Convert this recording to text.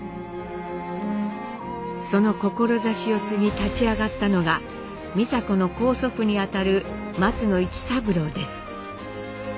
その志を継ぎ立ち上がったのが美佐子の高祖父にあたる松野市三郎です。